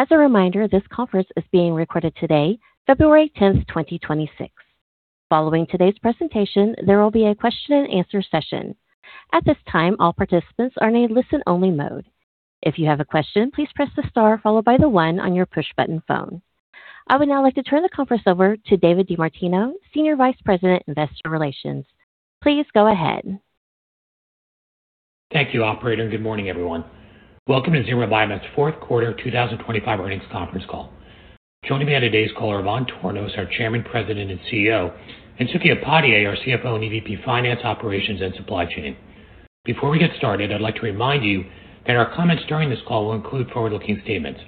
As a reminder, this conference is being recorded today, February 10, 2026. Following today's presentation, there will be a question-and-answer session. At this time, all participants are in a listen-only mode. If you have a question, please press the star followed by the 1 on your push-button phone. I would now like to turn the conference over to David DeMartino, Senior Vice President, Investor Relations. Please go ahead. Thank you, Operator. Good morning, everyone. Welcome to Zimmer Biomet's fourth quarter 2025 earnings conference call. Joining me on today's call are Ivan Tornos, our Chairman, President, and CEO, and Suky Upadhyay, our CFO and EVP Finance, Operations, and Supply Chain. Before we get started, I'd like to remind you that our comments during this call will include forward-looking statements.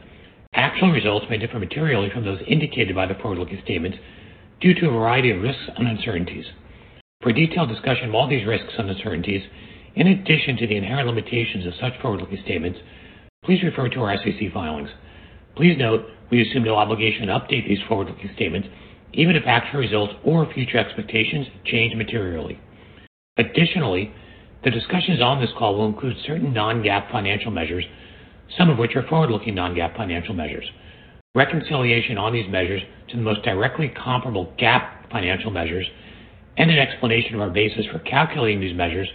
Actual results may differ materially from those indicated by the forward-looking statements due to a variety of risks and uncertainties. For a detailed discussion of all these risks and uncertainties, in addition to the inherent limitations of such forward-looking statements, please refer to our SEC filings. Please note, we assume no obligation to update these forward-looking statements, even if actual results or future expectations change materially. Additionally, the discussions on this call will include certain non-GAAP financial measures, some of which are forward-looking non-GAAP financial measures. Reconciliation on these measures to the most directly comparable GAAP financial measures and an explanation of our basis for calculating these measures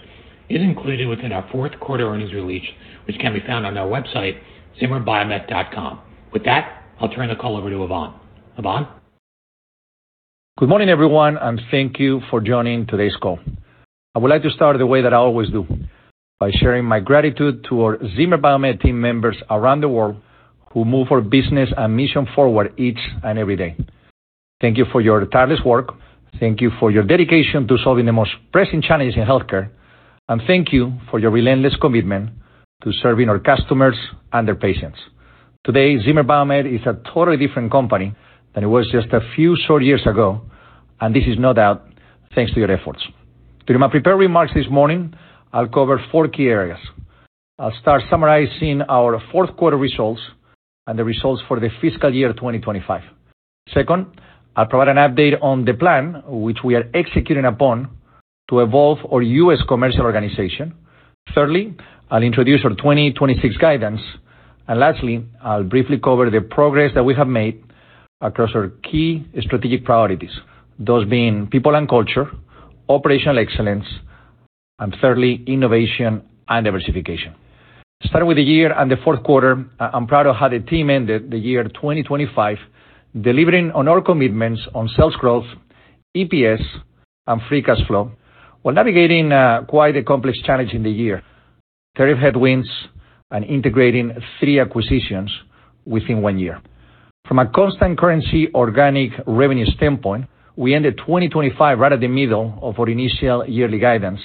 is included within our fourth quarter earnings release, which can be found on our website, zimmerbiomet.com. With that, I'll turn the call over to Ivan. Ivan? Good morning, everyone, and thank you for joining today's call. I would like to start the way that I always do, by sharing my gratitude toward Zimmer Biomet team members around the world who move our business and mission forward each and every day. Thank you for your tireless work. Thank you for your dedication to solving the most pressing challenges in healthcare. Thank you for your relentless commitment to serving our customers and their patients. Today, Zimmer Biomet is a totally different company than it was just a few short years ago, and this is no doubt thanks to your efforts. During my prepared remarks this morning, I'll cover four key areas. I'll start summarizing our fourth quarter results and the results for the fiscal year 2025. Second, I'll provide an update on the plan which we are executing upon to evolve our U.S. commercial organization. Thirdly, I'll introduce our 2026 guidance. Lastly, I'll briefly cover the progress that we have made across our key strategic priorities, those being people and culture, operational excellence, and thirdly, innovation and diversification. Starting with the year and the fourth quarter, I'm proud to have the team ended the year 2025 delivering on our commitments on sales growth, EPS, and free cash flow while navigating quite a complex challenge in the year: tariff headwinds and integrating three acquisitions within one year. From a constant currency organic revenue standpoint, we ended 2025 right at the middle of our initial yearly guidance,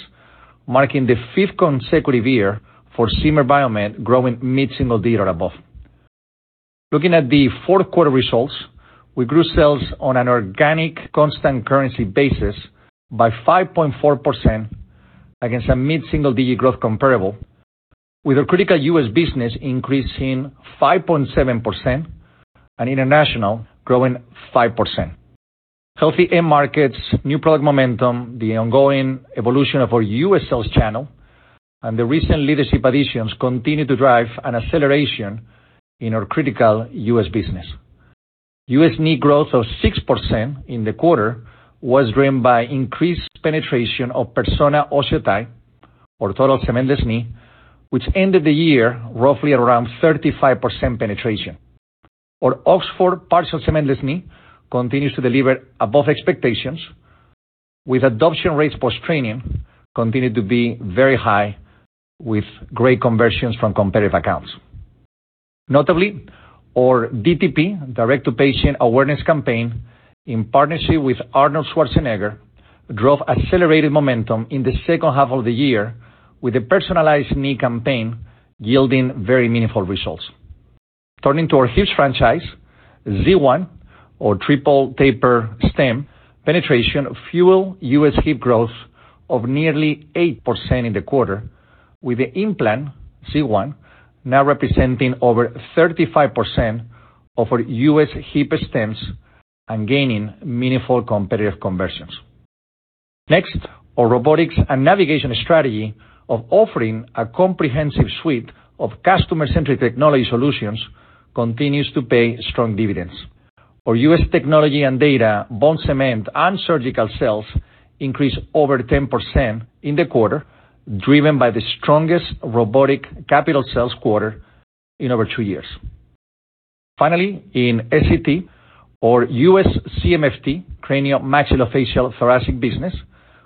marking the fifth consecutive year for Zimmer Biomet growing mid-single digit or above. Looking at the fourth quarter results, we grew sales on an organic constant currency basis by 5.4% against a mid-single digit growth comparable, with our critical U.S. business increasing 5.7% and international growing 5%. Healthy end markets, new product momentum, the ongoing evolution of our U.S. sales channel, and the recent leadership additions continue to drive an acceleration in our critical U.S. business. U.S. Knee growth of 6% in the quarter was driven by increased penetration of Persona OsseoTi, or total cementless knee, which ended the year roughly at around 35% penetration. Our Oxford Partial Cementless Knee continues to deliver above expectations, with adoption rates post-training continuing to be very high with great conversions from competitive accounts. Notably, our DTP, direct-to-patient awareness campaign, in partnership with Arnold Schwarzenegger, drove accelerated momentum in the second half of the year, with the personalized knee campaign yielding very meaningful results. Turning to our hips franchise, Z1, or triple taper stem, penetration fueled U.S. hip growth of nearly 8% in the quarter, with the implant, Z1, now representing over 35% of our U.S. hip stems and gaining meaningful competitive conversions. Next, our robotics and navigation strategy of offering a comprehensive suite of customer-centric technology solutions continues to pay strong dividends. Our U.S. technology and data, bone cement, and surgical cells increased over 10% in the quarter, driven by the strongest robotic capital sales quarter in over 2 years. Finally, in S.E.T., our U.S. CMFT, cranio-maxillofacial thoracic business,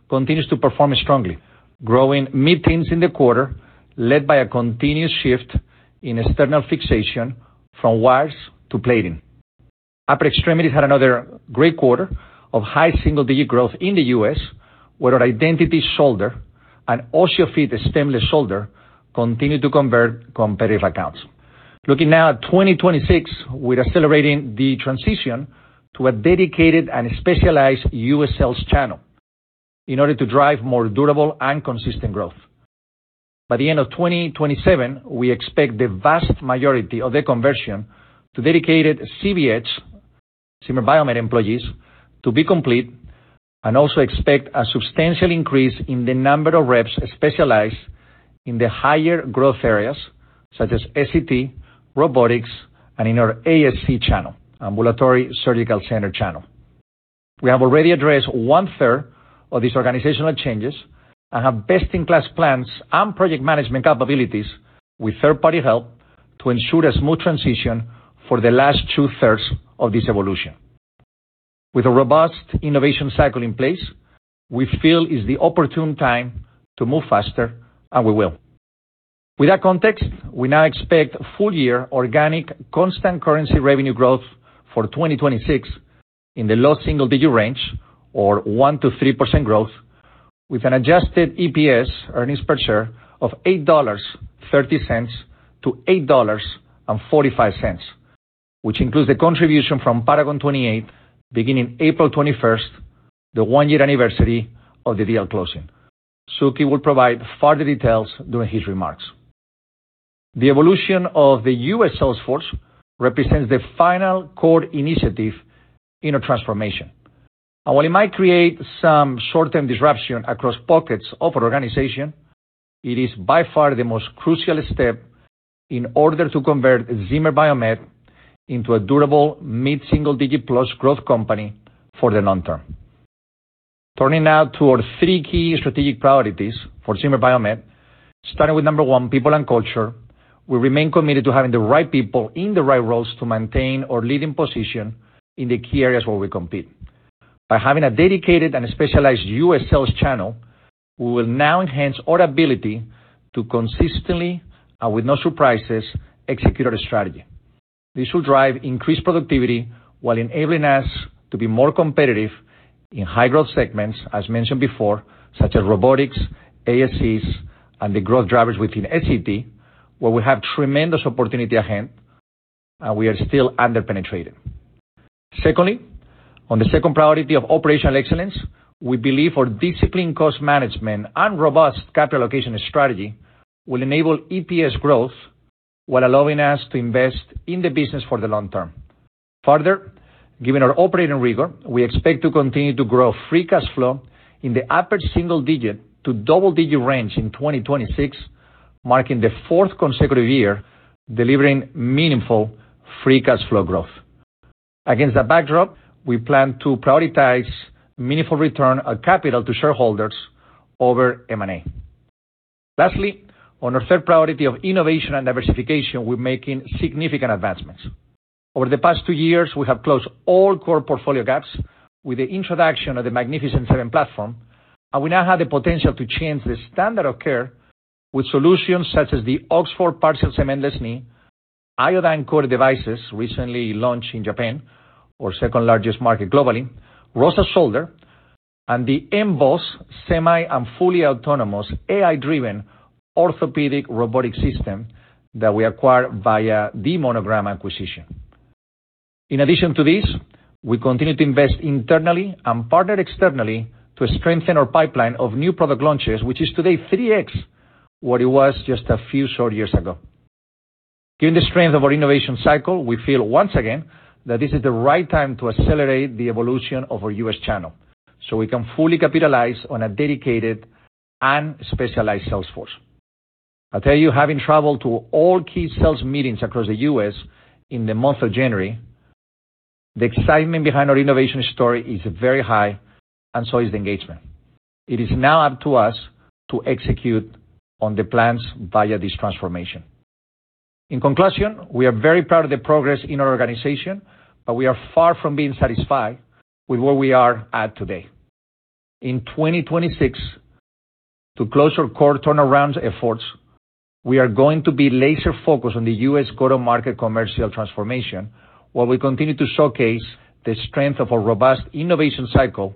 continues to perform strongly, growing mid-teens in the quarter led by a continuous shift in external fixation from wires to plating. Upper Extremities had another great quarter of high single-digit growth in the U.S., where our Identity Shoulder and OsseoFit Stemless Shoulder continued to convert competitive accounts. Looking now at 2026, we're accelerating the transition to a dedicated and specialized U.S. sales channel in order to drive more durable and consistent growth. By the end of 2027, we expect the vast majority of the conversion to dedicated ZBH, Zimmer Biomet employees, to be complete, and also expect a substantial increase in the number of reps specialized in the higher growth areas such as S.E.T., robotics, and in our ASC channel, Ambulatory Surgical Center channel. We have already addressed one-third of these organizational changes and have best-in-class plans and project management capabilities with third-party help to ensure a smooth transition for the last two-thirds of this evolution. With a robust innovation cycle in place, we feel it's the opportune time to move faster, and we will. With that context, we now expect full-year organic constant currency revenue growth for 2026 in the low single-digit range, or 1%-3% growth, with an adjusted EPS, earnings per share, of $8.30-$8.45, which includes the contribution from Paragon 28 beginning April 21st, the one-year anniversary of the deal closing. Suky will provide further details during his remarks. The evolution of the U.S. Salesforce represents the final core initiative in our transformation. And while it might create some short-term disruption across pockets of our organization, it is by far the most crucial step in order to convert Zimmer Biomet into a durable mid-single-digit-plus growth company for the long term. Turning now to our three key strategic priorities for Zimmer Biomet, starting with number one, people and culture, we remain committed to having the right people in the right roles to maintain our leading position in the key areas where we compete. By having a dedicated and specialized U.S. sales channel, we will now enhance our ability to consistently, and with no surprises, execute our strategy. This will drive increased productivity while enabling us to be more competitive in high-growth segments, as mentioned before, such as robotics, ASCs, and the growth drivers within S.E.T., where we have tremendous opportunity ahead and we are still under-penetrated. Secondly, on the second priority of operational excellence, we believe our disciplined cost management and robust capital allocation strategy will enable EPS growth while allowing us to invest in the business for the long term. Further, given our operating rigor, we expect to continue to grow free cash flow in the upper single-digit to double-digit range in 2026, marking the fourth consecutive year delivering meaningful free cash flow growth. Against that backdrop, we plan to prioritize meaningful return of capital to shareholders over M&A. Lastly, on our third priority of innovation and diversification, we're making significant advancements. Over the past two years, we have closed all core portfolio gaps with the introduction of the Magnificent Seven platform, and we now have the potential to change the standard of care with solutions such as the Oxford Partial Cementless Knee, iodine-coated devices recently launched in Japan, our second-largest market globally, ROSA Shoulder, and the mBôs semi- and fully autonomous AI-driven orthopedic robotic system that we acquired via the Monogram acquisition. In addition to this, we continue to invest internally and partner externally to strengthen our pipeline of new product launches, which is today 3x what it was just a few short years ago. Given the strength of our innovation cycle, we feel once again that this is the right time to accelerate the evolution of our U.S. channel so we can fully capitalize on a dedicated and specialized Salesforce. I'll tell you, having traveled to all key sales meetings across the U.S. in the month of January, the excitement behind our innovation story is very high, and so is the engagement. It is now up to us to execute on the plans via this transformation. In conclusion, we are very proud of the progress in our organization, but we are far from being satisfied with where we are at today. In 2026, to close our core turnaround efforts, we are going to be laser-focused on the U.S. go-to-market commercial transformation while we continue to showcase the strength of our robust innovation cycle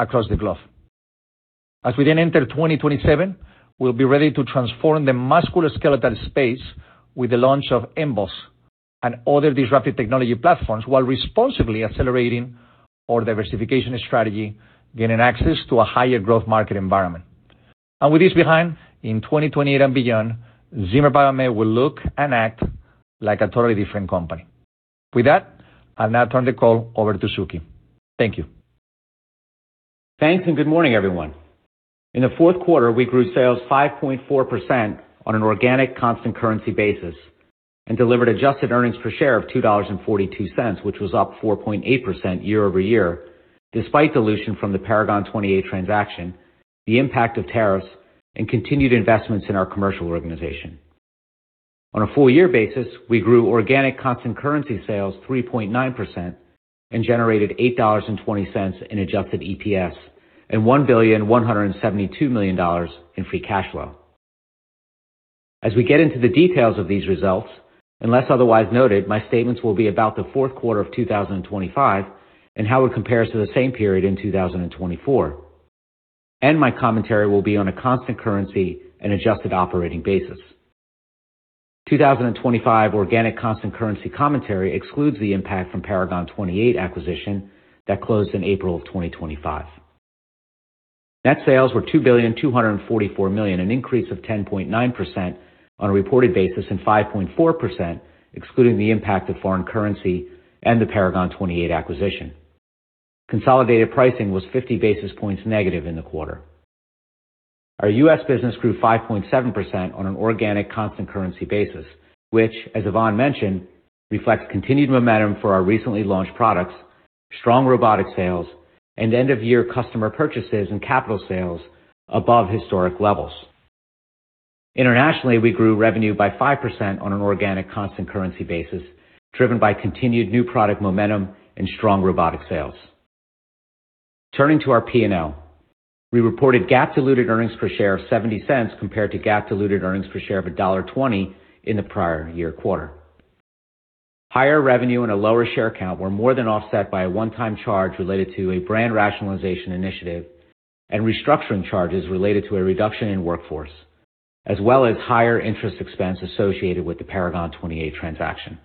across the globe. As we then enter 2027, we'll be ready to transform the musculoskeletal space with the launch of mBôs and other disruptive technology platforms while responsibly accelerating our diversification strategy, gaining access to a higher growth market environment. And with this behind, in 2028 and beyond, Zimmer Biomet will look and act like a totally different company. With that, I'll now turn the call over to Suky. Thank you. Thanks, and good morning, everyone. In the fourth quarter, we grew sales 5.4% on an organic constant currency basis and delivered adjusted earnings per share of $2.42, which was up 4.8% year-over-year despite dilution from the Paragon 28 transaction, the impact of tariffs, and continued investments in our commercial organization. On a full-year basis, we grew organic constant currency sales 3.9% and generated $8.20 in adjusted EPS and $1,172,000,000 in free cash flow. As we get into the details of these results, unless otherwise noted, my statements will be about the fourth quarter of 2025 and how it compares to the same period in 2024. My commentary will be on a constant currency and adjusted operating basis. 2025 organic constant currency commentary excludes the impact from Paragon 28 acquisition that closed in April of 2025. Net sales were $2,244,000,000, an increase of 10.9% on a reported basis and 5.4% excluding the impact of foreign currency and the Paragon 28 acquisition. Consolidated pricing was 50 basis points negative in the quarter. Our U.S. business grew 5.7% on an organic constant currency basis, which, as Ivan mentioned, reflects continued momentum for our recently launched products, strong robotic sales, and end-of-year customer purchases and capital sales above historic levels. Internationally, we grew revenue by 5% on an organic constant currency basis driven by continued new product momentum and strong robotic sales. Turning to our P&L, we reported GAAP-diluted earnings per share of $0.70 compared to GAAP-diluted earnings per share of $1.20 in the prior year quarter. Higher revenue and a lower share count were more than offset by a one-time charge related to a brand rationalization initiative and restructuring charges related to a reduction in workforce, as well as higher interest expense associated with the Paragon 28 transaction.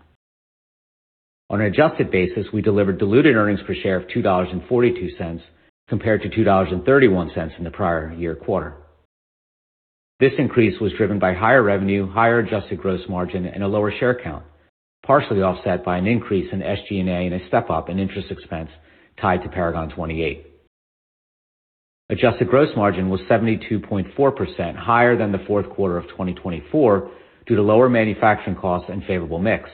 On an adjusted basis, we delivered diluted earnings per share of $2.42 compared to $2.31 in the prior year quarter. This increase was driven by higher revenue, higher adjusted gross margin, and a lower share count, partially offset by an increase in SG&A and a step-up in interest expense tied to Paragon 28. Adjusted gross margin was 72.4% higher than the fourth quarter of 2024 due to lower manufacturing costs and favorable mix.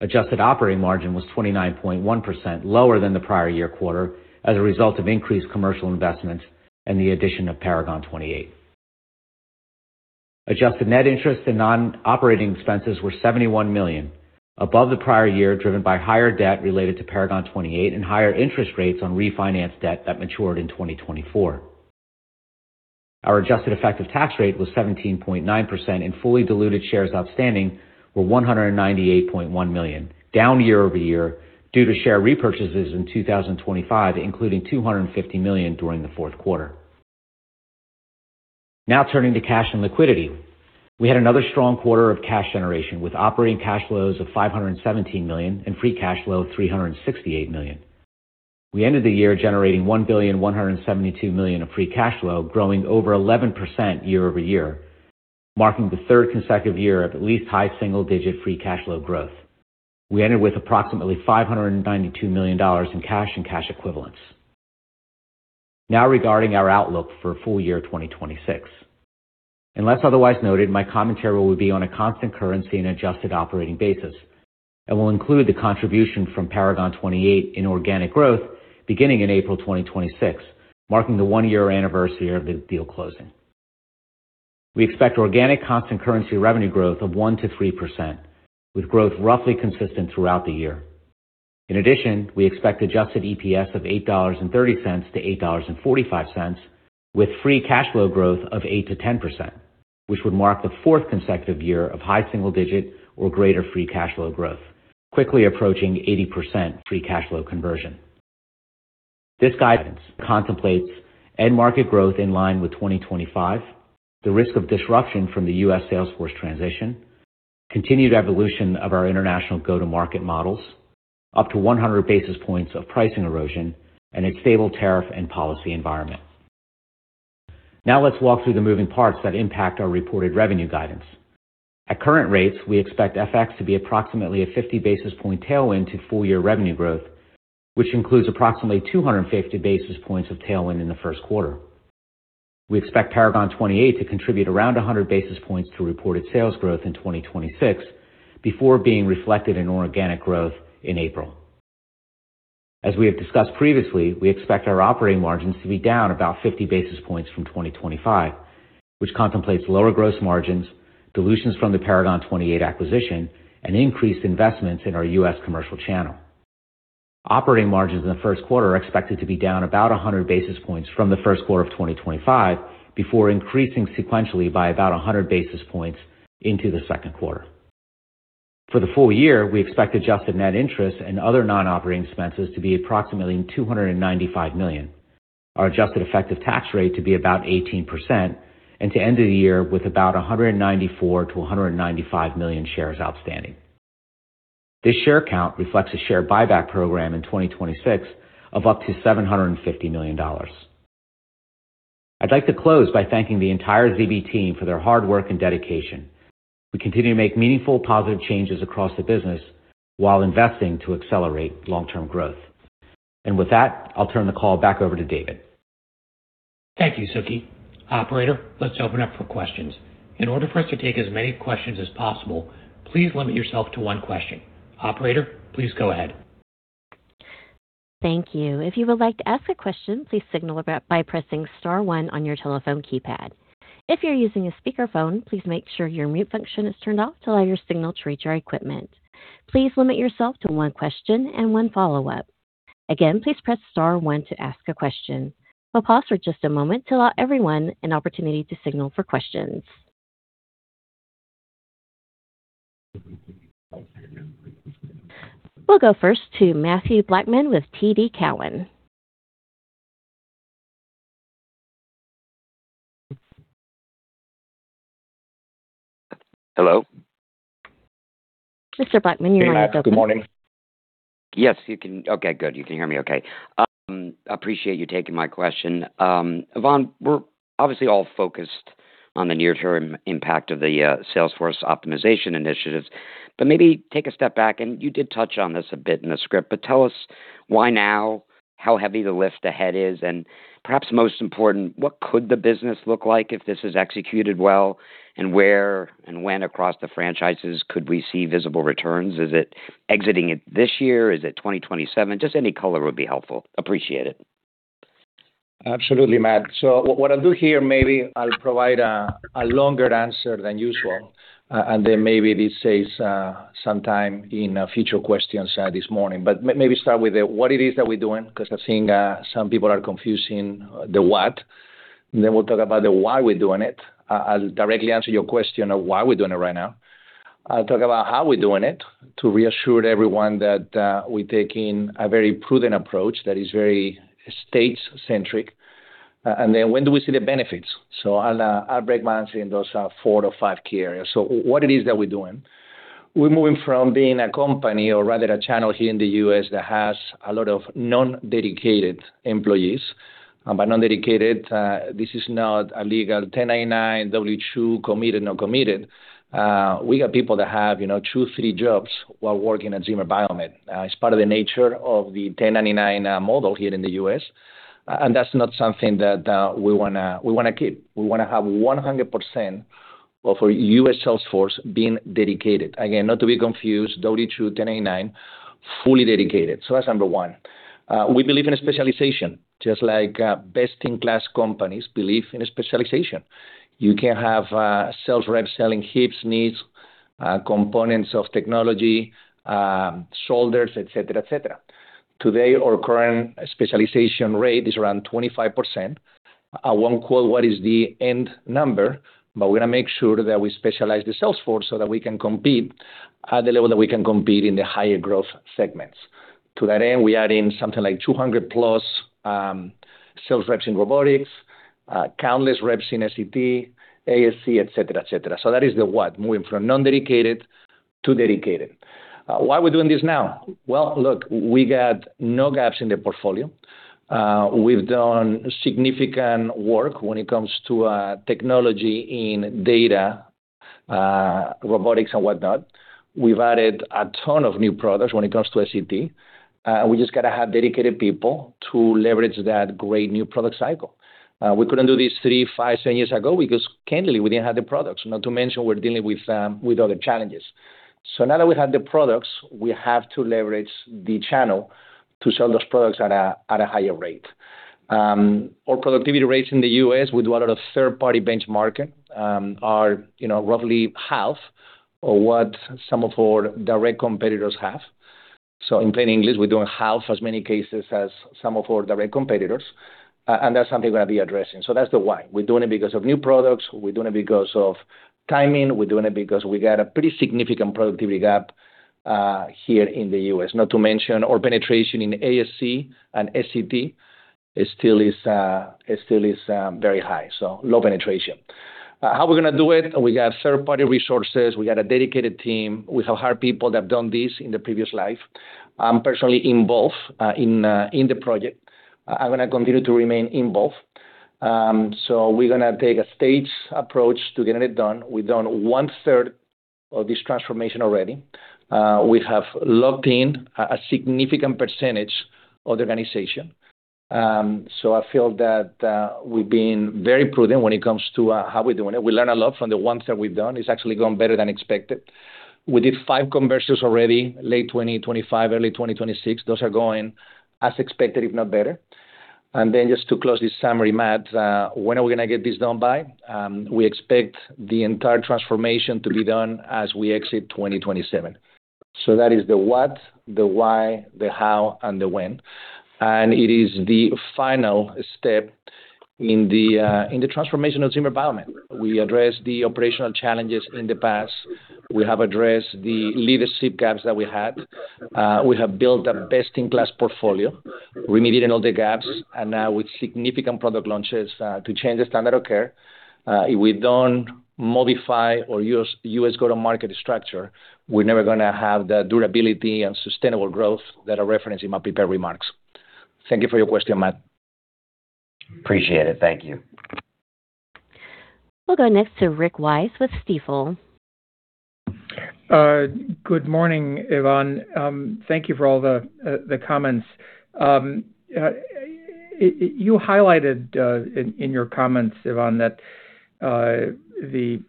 Adjusted operating margin was 29.1% lower than the prior year quarter as a result of increased commercial investments and the addition of Paragon 28. Adjusted net interest and non-operating expenses were $71 million, above the prior year driven by higher debt related to Paragon 28 and higher interest rates on refinanced debt that matured in 2024. Our adjusted effective tax rate was 17.9%, and fully diluted shares outstanding were 198.1 million, down year-over-year due to share repurchases in 2025, including $250 million during the fourth quarter. Now turning to cash and liquidity, we had another strong quarter of cash generation with operating cash flows of $517 million and free cash flow of $368 million. We ended the year generating $1.172 billion of free cash flow, growing over 11% year-over-year, marking the third consecutive year of at least high single-digit free cash flow growth. We ended with approximately $592 million in cash and cash equivalents. Now regarding our outlook for full year 2026, unless otherwise noted, my commentary will be on a constant currency and adjusted operating basis and will include the contribution from Paragon 28 in organic growth beginning in April 2026, marking the one-year anniversary of the deal closing. We expect organic constant currency revenue growth of 1%-3%, with growth roughly consistent throughout the year. In addition, we expect adjusted EPS of $8.30-$8.45, with free cash flow growth of 8%-10%, which would mark the fourth consecutive year of high single-digit or greater free cash flow growth, quickly approaching 80% free cash flow conversion. This guidance contemplates end-market growth in line with 2025, the risk of disruption from the U.S. Salesforce transition, continued evolution of our international go-to-market models, up to 100 basis points of pricing erosion, and a stable tariff and policy environment. Now let's walk through the moving parts that impact our reported revenue guidance. At current rates, we expect FX to be approximately a 50 basis point tailwind to full-year revenue growth, which includes approximately 250 basis points of tailwind in the first quarter. We expect Paragon 28 to contribute around 100 basis points to reported sales growth in 2026 before being reflected in organic growth in April. As we have discussed previously, we expect our operating margins to be down about 50 basis points from 2025, which contemplates lower gross margins, dilutions from the Paragon 28 acquisition, and increased investments in our U.S. commercial channel. Operating margins in the first quarter are expected to be down about 100 basis points from the first quarter of 2025 before increasing sequentially by about 100 basis points into the second quarter. For the full year, we expect adjusted net interest and other non-operating expenses to be approximately $295 million, our adjusted effective tax rate to be about 18%, and to end the year with about 194-195 million shares outstanding. This share count reflects a share buyback program in 2026 of up to $750 million. I'd like to close by thanking the entire ZB team for their hard work and dedication. We continue to make meaningful, positive changes across the business while investing to accelerate long-term growth. And with that, I'll turn the call back over to David. Thank you, Suky. Operator, let's open up for questions. In order for us to take as many questions as possible, please limit yourself to one question. Operator, please go ahead. Thank you. If you would like to ask a question, please signal by pressing star 1 on your telephone keypad. If you're using a speakerphone, please make sure your mute function is turned off to allow your signal to reach our equipment. Please limit yourself to one question and one follow-up. Again, please press star 1 to ask a question. We'll pause for just a moment to allow everyone an opportunity to signal for questions. We'll go first to Mathew Blackman with TD Cowen. Hello? Mr. Blackman, you might have the mic. Good morning. Yes, you can. Okay, good. You can hear me okay. Appreciate you taking my question. Ivan, we're obviously all focused on the near-term impact of the Salesforce optimization initiatives, but maybe take a step back. You did touch on this a bit in the script, but tell us why now, how heavy the lift ahead is, and perhaps most important, what could the business look like if this is executed well, and where and when across the franchises could we see visible returns? Is it exiting it this year? Is it 2027? Just any color would be helpful. Appreciate it. Absolutely, Matt. So what I'll do here, maybe I'll provide a longer answer than usual, and then maybe this says sometime in future questions this morning. But maybe start with what it is that we're doing, because I'm seeing some people are confusing the what. Then we'll talk about the why we're doing it. I'll directly answer your question of why we're doing it right now. I'll talk about how we're doing it to reassure everyone that we're taking a very prudent approach that is very state-centric. And then when do we see the benefits? So I'll break mine into those four or five key areas. So what it is that we're doing? We're moving from being a company, or rather a channel here in the U.S., that has a lot of non-dedicated employees. But non-dedicated, this is not a legal 1099 W-2 committed, no committed. We got people that have two, three jobs while working at Zimmer Biomet. It's part of the nature of the 1099 model here in the U.S. That's not something that we want to keep. We want to have 100% of our U.S. Salesforce being dedicated. Again, not to be confused, W-2, 1099, fully dedicated. That's number one. We believe in specialization, just like best-in-class companies believe in specialization. You can have sales reps selling hips, knees, components of technology, shoulders, etc., etc. Today, our current specialization rate is around 25%. I won't quote what is the end number, but we're going to make sure that we specialize the Salesforce so that we can compete at the level that we can compete in the higher growth segments. To that end, we are in something like 200+ sales reps in robotics, countless reps in S.E.T., ASC, etc., etc. So that is the what, moving from non-dedicated to dedicated. Why are we doing this now? Well, look, we got no gaps in the portfolio. We've done significant work when it comes to technology in data, robotics, and whatnot. We've added a ton of new products when it comes to S.E.T.. We just got to have dedicated people to leverage that great new product cycle. We couldn't do this 3, 5, 10 years ago because candidly, we didn't have the products, not to mention we're dealing with other challenges. So now that we have the products, we have to leverage the channel to sell those products at a higher rate. Our productivity rates in the U.S., we do a lot of third-party benchmarking, are roughly half of what some of our direct competitors have. So in plain English, we're doing half as many cases as some of our direct competitors. That's something we're going to be addressing. That's the why. We're doing it because of new products. We're doing it because of timing. We're doing it because we got a pretty significant productivity gap here in the U.S., not to mention our penetration in ASC and S.E.T. still is very high, so low penetration. How we're going to do it? We got third-party resources. We got a dedicated team. We have hired people that have done this in the previous life. I'm personally involved in the project. I'm going to continue to remain involved. We're going to take a staged approach to getting it done. We've done one-third of this transformation already. We have locked in a significant percentage of the organization. I feel that we've been very prudent when it comes to how we're doing it. We learn a lot from the one-third we've done. It's actually gone better than expected. We did 5 conversions already, late 2025, early 2026. Those are going as expected, if not better. And then just to close this summary, Matt, when are we going to get this done by? We expect the entire transformation to be done as we exit 2027. So that is the what, the why, the how, and the when. And it is the final step in the transformation of Zimmer Biomet. We addressed the operational challenges in the past. We have addressed the leadership gaps that we had. We have built a best-in-class portfolio, remediated all the gaps, and now with significant product launches to change the standard of care. If we don't modify or use U.S. go-to-market structure, we're never going to have the durability and sustainable growth that are referenced in my prepared remarks. Thank you for your question, Matt. Appreciate it. Thank you. We'll go next to Rick Wise with Stifel. Good morning, Ivan. Thank you for all the comments. You highlighted in your comments, Ivan, that obviously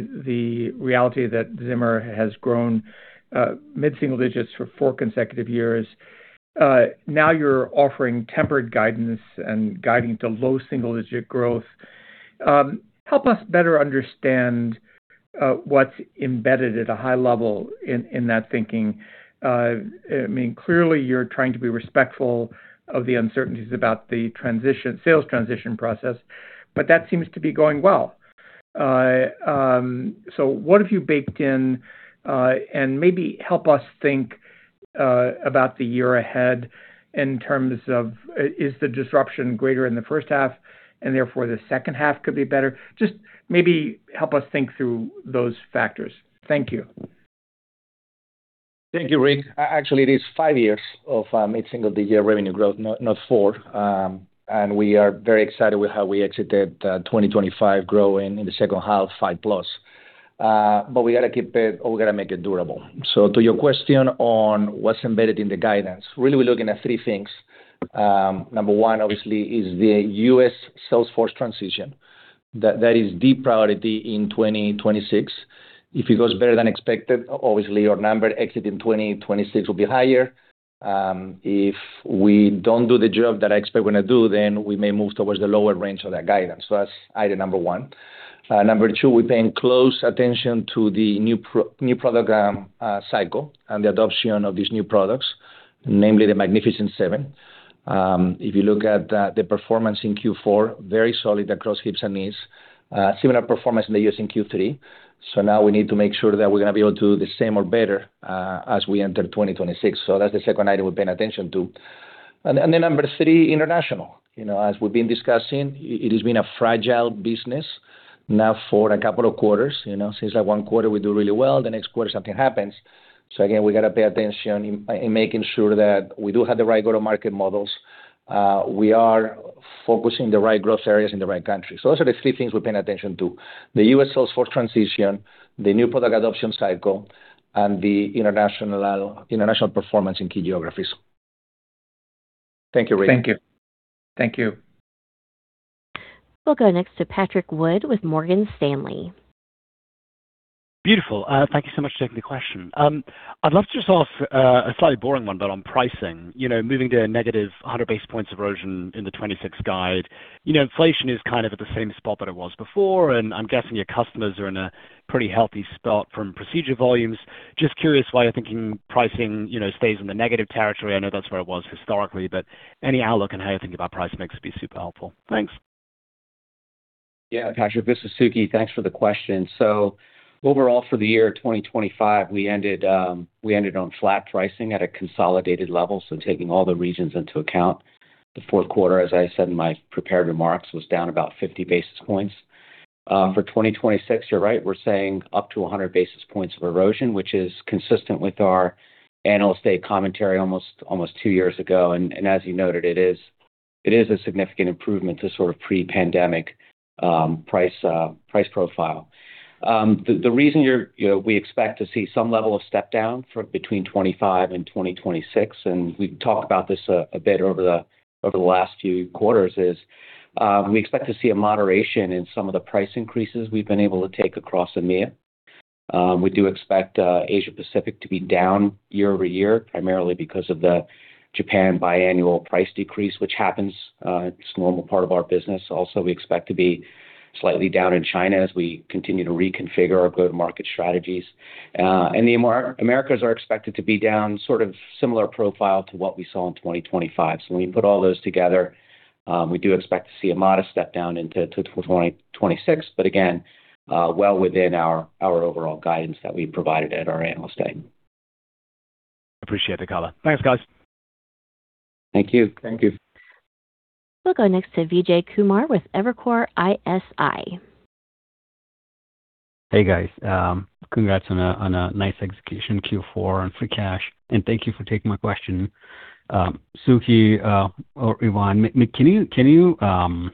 the reality that Zimmer has grown mid-single digits for four consecutive years. Now you're offering tempered guidance and guiding to low single-digit growth. Help us better understand what's embedded at a high level in that thinking. I mean, clearly, you're trying to be respectful of the uncertainties about the sales transition process, but that seems to be going well. So what have you baked in? And maybe help us think about the year ahead in terms of is the disruption greater in the first half and therefore the second half could be better? Just maybe help us think through those factors. Thank you. Thank you, Rick. Actually, it is 5 years of mid-single-digit revenue growth, not 4. We are very excited with how we exited 2025 growing in the second half, 5+. But we got to keep it or we got to make it durable. So to your question on what's embedded in the guidance, really, we're looking at 3 things. Number one, obviously, is the U.S. Salesforce transition. That is deep priority in 2026. If it goes better than expected, obviously, our number exiting 2026 will be higher. If we don't do the job that I expect we're going to do, then we may move towards the lower range of that guidance. So that's item number one. Number two, we're paying close attention to the new product cycle and the adoption of these new products, namely the Magnificent Seven. If you look at the performance in Q4, very solid across hips and knees. Similar performance in the U.S. in Q3. So now we need to make sure that we're going to be able to do the same or better as we enter 2026. So that's the second item we pay attention to. And then number 3, international. As we've been discussing, it has been a fragile business now for a couple of quarters. Since 1 quarter, we do really well. The next quarter, something happens. So again, we got to pay attention in making sure that we do have the right go-to-market models. We are focusing the right growth areas in the right country. So those are the 3 things we pay attention to: the U.S. Salesforce transition, the new product adoption cycle, and the international performance in key geographies. Thank you, Rick. Thank you. Thank you. We'll go next to Patrick Wood with Morgan Stanley. Beautiful. Thank you so much for taking the question. I'd love to just ask a slightly boring one, but on pricing, moving to a negative 100 basis points erosion in the 2026 guide. Inflation is kind of at the same spot that it was before, and I'm guessing your customers are in a pretty healthy spot from procedure volumes. Just curious why you're thinking pricing stays in the negative territory. I know that's where it was historically, but any outlook on how you think about pricing makes it be super helpful. Thanks. Yeah, Patrick, this is Suky. Thanks for the question. So overall, for the year 2025, we ended on flat pricing at a consolidated level, so taking all the regions into account. The fourth quarter, as I said in my prepared remarks, was down about 50 basis points. For 2026, you're right. We're saying up to 100 basis points of erosion, which is consistent with our analyst day commentary almost two years ago. And as you noted, it is a significant improvement to sort of pre-pandemic price profile. The reason we expect to see some level of stepdown between 2025 and 2026, and we've talked about this a bit over the last few quarters, is we expect to see a moderation in some of the price increases we've been able to take across EMEA. We do expect Asia-Pacific to be down year-over-year, primarily because of the Japan biannual price decrease, which happens. It's a normal part of our business. Also, we expect to be slightly down in China as we continue to reconfigure our go-to-market strategies. The Americas are expected to be down sort of similar profile to what we saw in 2025. When you put all those together, we do expect to see a modest stepdown into 2026, but again, well within our overall guidance that we provided at our analyst day. Appreciate the color. Thanks, guys. Thank you. Thank you. We'll go next to Vijay Kumar with Evercore ISI. Hey, guys. Congrats on a nice execution, Q4, and free cash. Thank you for taking my question. Suky or Ivan, can you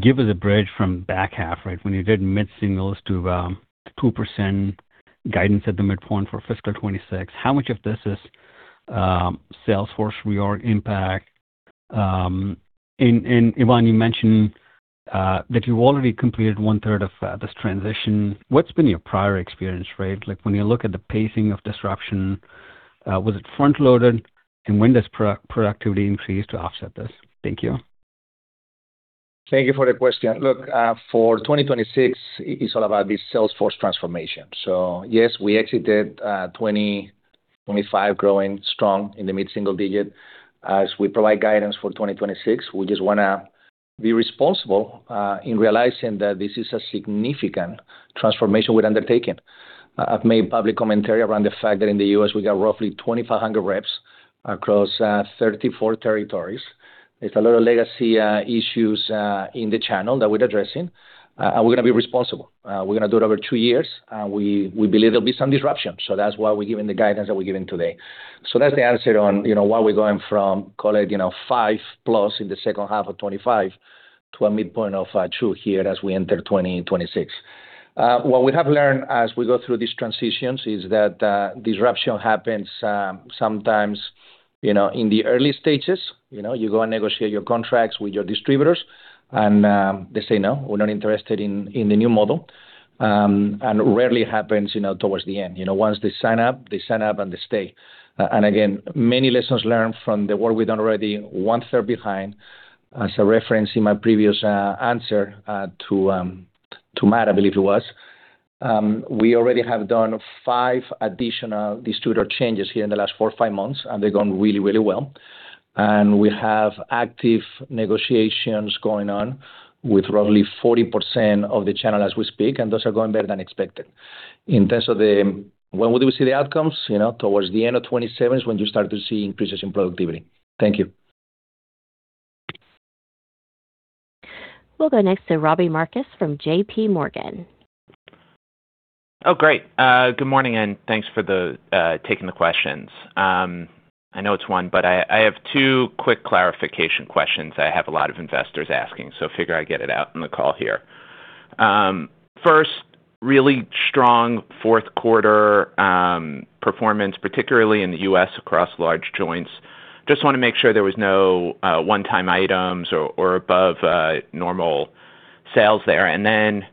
give us a bridge from back half, right? When you did mid-singles to 2% guidance at the midpoint for fiscal 2026, how much of this is Salesforce reorg impact? And Ivan, you mentioned that you've already completed one-third of this transition. What's been your prior experience, right? When you look at the pacing of disruption, was it front-loaded? And when does productivity increase to offset this? Thank you. Thank you for the question. Look, for 2026, it's all about this Salesforce transformation. So yes, we exited 2025 growing strong in the mid-single digit. As we provide guidance for 2026, we just want to be responsible in realizing that this is a significant transformation we're undertaking. I've made public commentary around the fact that in the U.S., we got roughly 2,500 reps across 34 territories. There's a lot of legacy issues in the channel that we're addressing. And we're going to be responsible. We're going to do it over two years. And we believe there'll be some disruption. So that's why we're giving the guidance that we're giving today. So that's the answer on why we're going from, call it, 5+ in the second half of 2025 to a midpoint of 2 here as we enter 2026. What we have learned as we go through these transitions is that disruption happens sometimes in the early stages. You go and negotiate your contracts with your distributors, and they say, "No, we're not interested in the new model." And rarely happens towards the end. Once they sign up, they sign up and they stay. And again, many lessons learned from the work we've done already, one-third behind. As I referenced in my previous answer to Matt, I believe it was, we already have done 5 additional distributor changes here in the last 4, 5 months, and they're going really, really well. And we have active negotiations going on with roughly 40% of the channel as we speak, and those are going better than expected. In terms of when will we see the outcomes? Towards the end of 2027 is when you start to see increases in productivity. Thank you. We'll go next to Robbie Marcus from JPMorgan. Oh, great. Good morning, and thanks for taking the questions. I know it's one, but I have two quick clarification questions I have a lot of investors asking, so figure I get it out in the call here. First, really strong fourth quarter performance, particularly in the U.S. across large joints. Just want to make sure there was no one-time items or above-normal sales there. And then,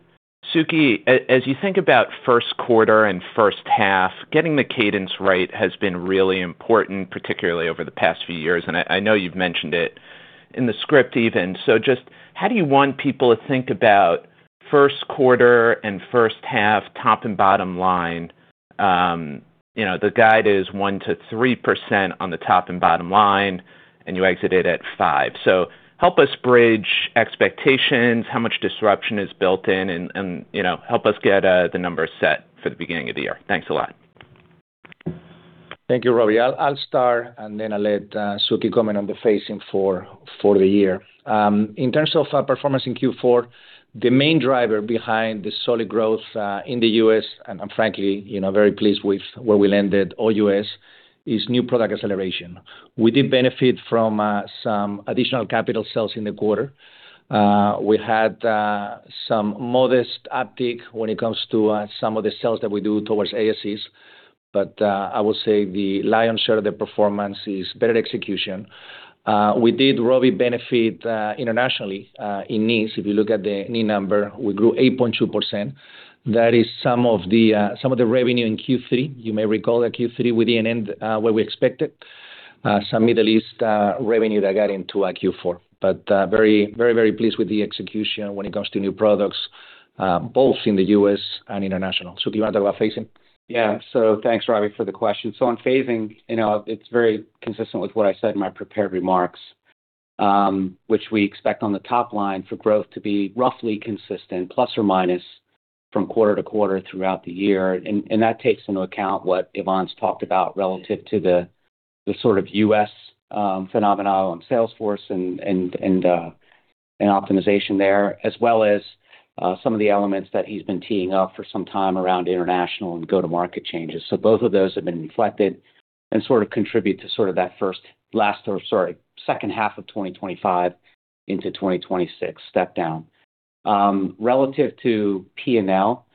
Suky, as you think about first quarter and first half, getting the cadence right has been really important, particularly over the past few years. And I know you've mentioned it in the script even. So just how do you want people to think about first quarter and first half, top and bottom line? The guide is 1%-3% on the top and bottom line, and you exited at 5. So help us bridge expectations, how much disruption is built in, and help us get the numbers set for the beginning of the year. Thanks a lot. Thank you, Robbie. I'll start and then I'll let Suky comment on the phasing for the year. In terms of performance in Q4, the main driver behind the solid growth in the U.S., and I'm frankly very pleased with where we landed, all U.S., is new product acceleration. We did benefit from some additional capital sales in the quarter. We had some modest uptick when it comes to some of the sales that we do towards ASCs. But I would say the lion's share of the performance is better execution. We did, Robbie, benefit internationally in knees. If you look at the knee number, we grew 8.2%. That is some of the revenue in Q3. You may recall that Q3, we didn't end where we expected, some Middle East revenue that got into Q4. But very, very, very pleased with the execution when it comes to new products, both in the U.S. and international. Suky, you want to talk about phasing? Yeah. So thanks, Robbie, for the question. So on phasing, it's very consistent with what I said in my prepared remarks, which we expect on the top line for growth to be roughly consistent, plus or minus, from quarter to quarter throughout the year. And that takes into account what Ivan's talked about relative to the sort of U.S. phenomenon on Salesforce and optimization there, as well as some of the elements that he's been teeing up for some time around international and go-to-market changes. So both of those have been reflected and sort of contribute to sort of that, sorry, second half of 2025 into 2026 stepdown. Relative to P&L,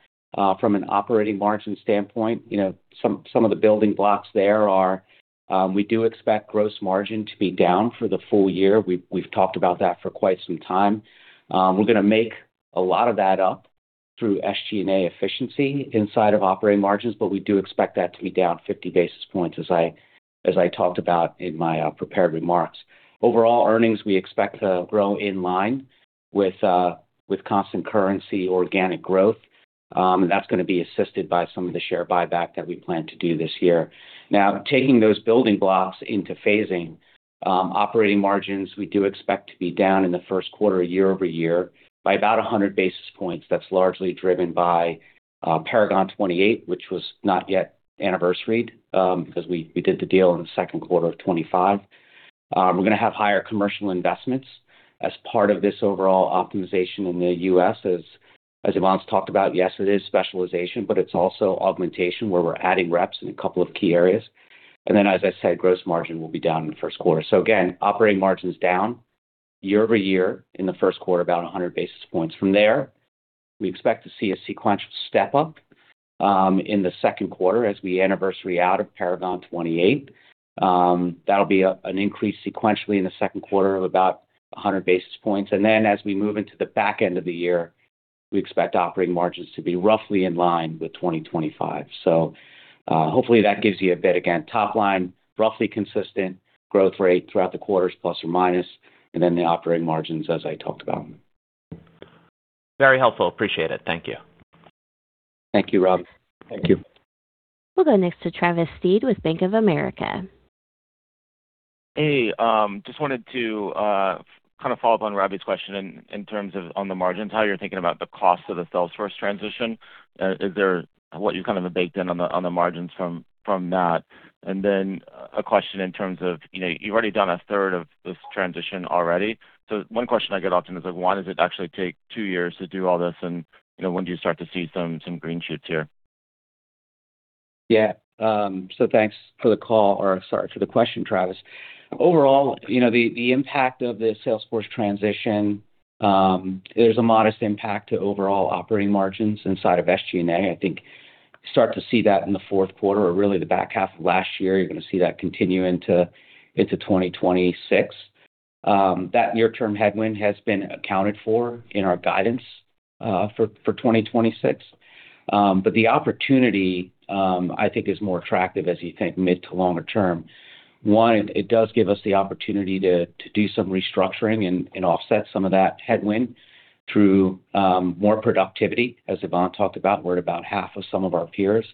from an operating margin standpoint, some of the building blocks there are we do expect gross margin to be down for the full year. We've talked about that for quite some time. We're going to make a lot of that up through SG&A efficiency inside of operating margins, but we do expect that to be down 50 basis points, as I talked about in my prepared remarks. Overall earnings, we expect to grow in line with constant currency organic growth. And that's going to be assisted by some of the share buyback that we plan to do this year. Now, taking those building blocks into phasing, operating margins, we do expect to be down in the first quarter, year-over-year, by about 100 basis points. That's largely driven by Paragon 28, which was not yet anniversaried because we did the deal in the second quarter of 2025. We're going to have higher commercial investments as part of this overall optimization in the U.S. As Ivan's talked about, yes, it is specialization, but it's also augmentation where we're adding reps in a couple of key areas. And then, as I said, gross margin will be down in the first quarter. So again, operating margin's down year-over-year in the first quarter, about 100 basis points. From there, we expect to see a sequential step-up in the second quarter as we anniversary out of Paragon 28. That'll be an increase sequentially in the second quarter of about 100 basis points. And then, as we move into the back end of the year, we expect operating margins to be roughly in line with 2025. So hopefully, that gives you a bit, again, top line, roughly consistent growth rate throughout the quarters, plus or minus, and then the operating margins, as I talk ed about. Very helpful. Appreciate it. Thank you. Thank you, Robbie. Thank you. We'll go next to Travis Steed with Bank of America. Hey. Just wanted to kind of follow up on Robbie's question in terms of on the margins, how you're thinking about the cost of the Salesforce transition. What you've kind of baked in on the margins from that. And then a question in terms of you've already done a third of this transition already. So one question I get often is, why does it actually take two years to do all this, and when do you start to see some green shoots here? Yeah. So thanks for the call or, sorry, for the question, Travis. Overall, the impact of the Salesforce transition, there's a modest impact to overall operating margins inside of SG&A. I think you start to see that in the fourth quarter or really the back half of last year. You're going to see that continue into 2026. That near-term headwind has been accounted for in our guidance for 2026. But the opportunity, I think, is more attractive as you think mid to longer term. One, it does give us the opportunity to do some restructuring and offset some of that headwind through more productivity, as Ivan talked about. We're at about half of some of our peers.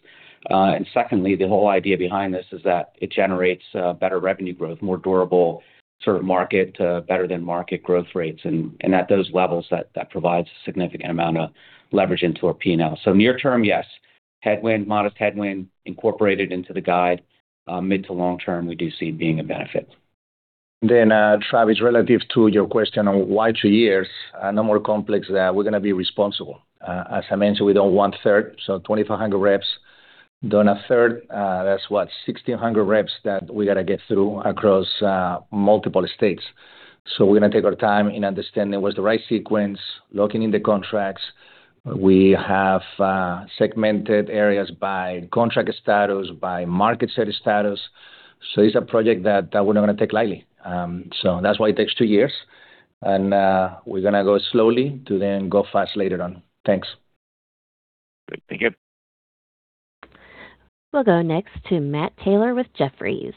And secondly, the whole idea behind this is that it generates better revenue growth, more durable sort of market, better than market growth rates. And at those levels, that provides a significant amount of leverage into our P&L. So near term, yes, headwind, modest headwind incorporated into the guide. Mid to long term, we do see it being a benefit. Then, Travis, relative to your question on why two years, no more complex than we're going to be responsible. As I mentioned, we don't want third. So 2,500 reps, done a third, that's, what, 1,600 reps that we got to get through across multiple states. So we're going to take our time in understanding what's the right sequence, locking in the contracts. We have segmented areas by contract status, by market-set status. So it's a project that we're not going to take lightly. So that's why it takes two years. And we're going to go slowly to then go fast later on. Thanks. Great. Thank you. We'll go next to Matt Taylor with Jefferies.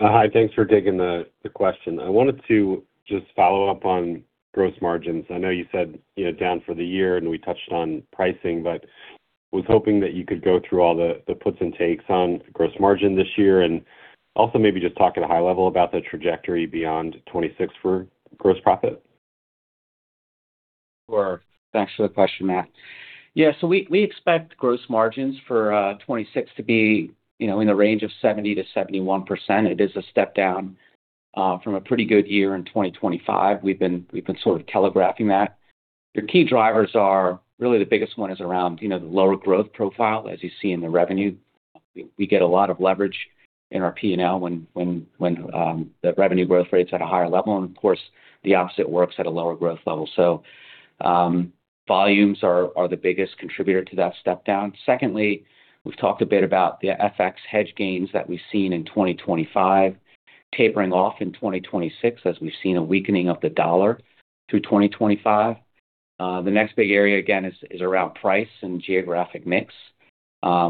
Hi. Thanks for taking the question. I wanted to just follow up on gross margins. I know you said down for the year, and we touched on pricing, but was hoping that you could go through all the puts and takes on gross margin this year and also maybe just talk at a high level about the trajectory beyond 2026 for gross profit. Sure. Thanks for the question, Matt. Yeah. So we expect gross margins for 2026 to be in the range of 70%-71%. It is a step down from a pretty good year in 2025. We've been sort of telegraphing that. Your key drivers are really the biggest one is around the lower growth profile, as you see in the revenue. We get a lot of leverage in our P&L when the revenue growth rate's at a higher level. And of course, the opposite works at a lower growth level. So volumes are the biggest contributor to that step down. Secondly, we've talked a bit about the FX hedge gains that we've seen in 2025 tapering off in 2026 as we've seen a weakening of the dollar through 2025. The next big area, again, is around price and geographic mix,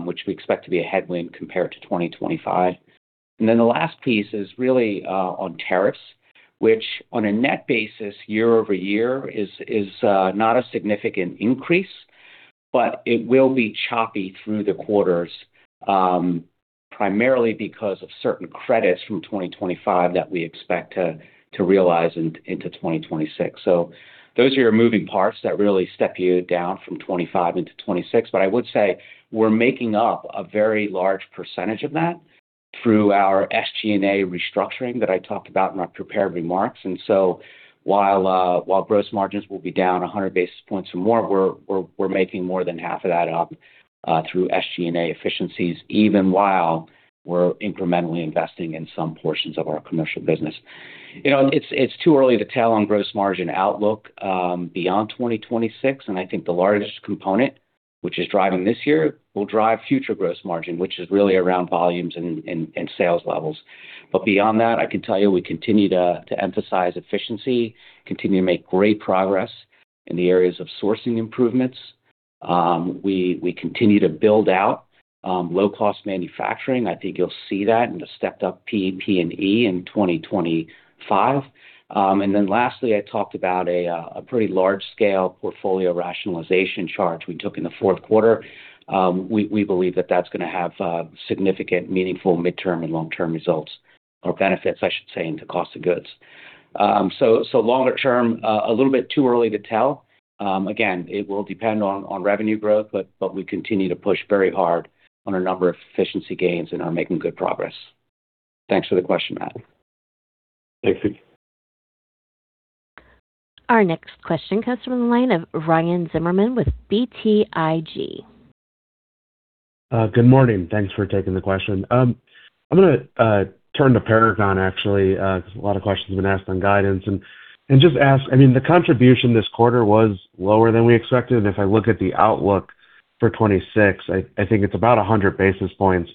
which we expect to be a headwind compared to 2025. And then the last piece is really on tariffs, which on a net basis, year-over-year, is not a significant increase, but it will be choppy through the quarters, primarily because of certain credits from 2025 that we expect to realize into 2026. So those are your moving parts that really step you down from 2025 into 2026. But I would say we're making up a very large percentage of that through our SG&A restructuring that I talked about in my prepared remarks. And so while gross margins will be down 100 basis points or more, we're making more than half of that up through SG&A efficiencies, even while we're incrementally investing in some portions of our commercial business. It's too early to tell on gross margin outlook beyond 2026. I think the largest component, which is driving this year, will drive future gross margin, which is really around volumes and sales levels. Beyond that, I can tell you we continue to emphasize efficiency, continue to make great progress in the areas of sourcing improvements. We continue to build out low-cost manufacturing. I think you'll see that in the stepped-up PP&E in 2025. Then lastly, I talked about a pretty large-scale portfolio rationalization charge we took in the fourth quarter. We believe that that's going to have significant, meaningful midterm and long-term results or benefits, I should say, into cost of goods. Longer term, a little bit too early to tell. Again, it will depend on revenue growth, but we continue to push very hard on a number of efficiency gains and are making good progress. Thanks for the question, Matt. Thanks, Suky. Our next question comes from the line of Ryan Zimmerman with BTIG. Good morning. Thanks for taking the question. I'm going to turn to Paragon, actually, because a lot of questions have been asked on guidance. And just ask, I mean, the contribution this quarter was lower than we expected. And if I look at the outlook for 2026, I think it's about 100 basis points,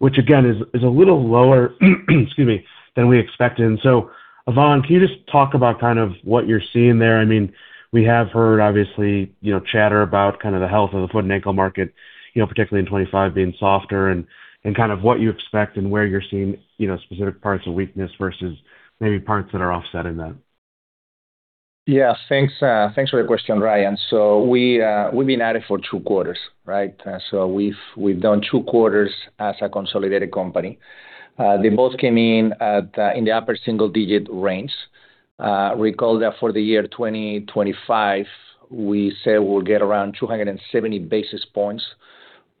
which, again, is a little lower, excuse me, than we expected. And so, Ivan, can you just talk about kind of what you're seeing there? I mean, we have heard, obviously, chatter about kind of the health of the foot and ankle market, particularly in 2025 being softer, and kind of what you expect and where you're seeing specific parts of weakness versus maybe parts that are offsetting that. Yes. Thanks for the question, Ryan. So we've been at it for two quarters, right? So we've done two quarters as a consolidated company. They both came in in the upper single-digit range. Recall that for the year 2025, we said we'll get around 270 basis points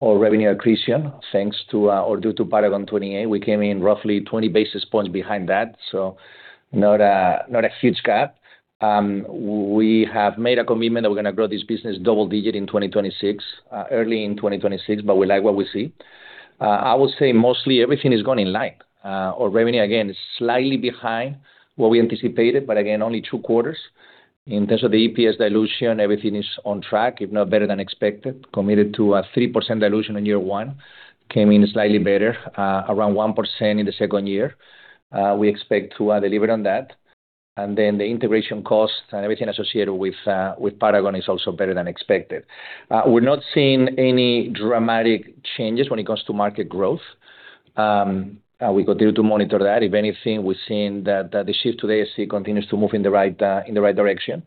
of revenue accretion thanks to or due to Paragon 28. We came in roughly 20 basis points behind that, so not a huge gap. We have made a commitment that we're going to grow this business double-digit in 2026, early in 2026, but we like what we see. I would say mostly everything is going in line. Our revenue, again, is slightly behind what we anticipated, but again, only two quarters. In terms of the EPS dilution, everything is on track, if not better than expected. Committed to a 3% dilution in year one, came in slightly better, around 1% in the second year. We expect to deliver on that. And then the integration costs and everything associated with Paragon is also better than expected. We're not seeing any dramatic changes when it comes to market growth. We continue to monitor that. If anything, we've seen that the shift to the ASC continues to move in the right direction.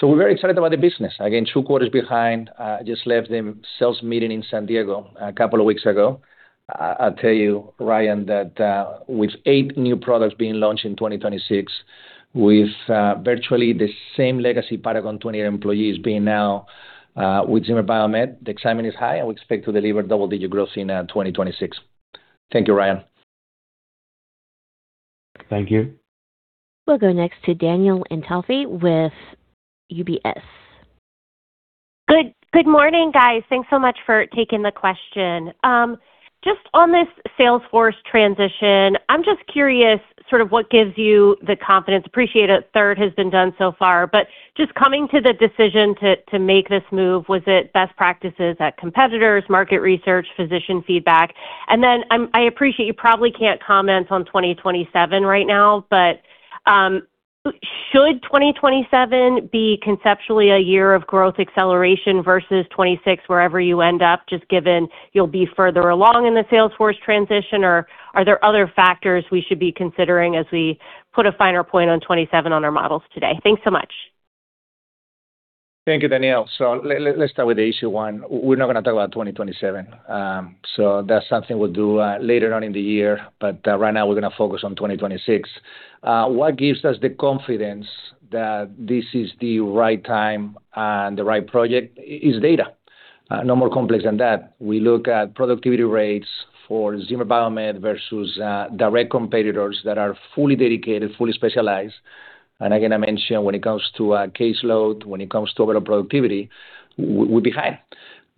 So we're very excited about the business. Again, 2 quarters behind. I just left the sales meeting in San Diego a couple of weeks ago. I'll tell you, Ryan, that with 8 new products being launched in 2026, with virtually the same legacy Paragon 28 employees being now with Zimmer Biomet, the excitement is high, and we expect to deliver double-digit growth in 2026. Thank you, Ryan. Thank you. We'll go next to Danielle Antalffy with UBS. Good morning, guys. Thanks so much for taking the question. Just on this Salesforce transition, I'm just curious sort of what gives you the confidence? Appreciate a third has been done so far. But just coming to the decision to make this move, was it best practices at competitors, market research, physician feedback? And then I appreciate you probably can't comment on 2027 right now, but should 2027 be conceptually a year of growth acceleration versus 2026 wherever you end up, just given you'll be further along in the Salesforce transition, or are there other factors we should be considering as we put a finer point on 2027 on our models today? Thanks so much. Thank you, Danielle. So let's start with the easy one. We're not going to talk about 2027. So that's something we'll do later on in the year. But right now, we're going to focus on 2026. What gives us the confidence that this is the right time and the right project is data. No more complex than that. We look at productivity rates for Zimmer Biomet versus direct competitors that are fully dedicated, fully specialized. And again, I mentioned when it comes to caseload, when it comes to overall productivity, we're behind.